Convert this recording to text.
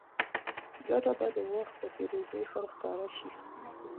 ګټه به د وخت په تېرېدو سره ښکاره شي.